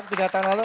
tiga tahun lalu